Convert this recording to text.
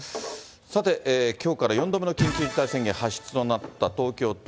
さて、きょうから４度目の緊急事態宣言発出となった東京都。